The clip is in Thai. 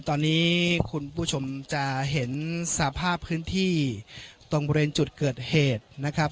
ตอนนี้คุณผู้ชมจะเห็นสภาพพื้นที่ตรงบริเวณจุดเกิดเหตุนะครับ